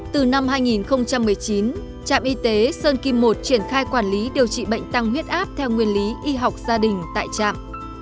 từ năm hai nghìn một mươi chín trạm y tế sơn kim một triển khai quản lý điều trị bệnh tăng huyết áp theo nguyên lý y học gia đình tại trạm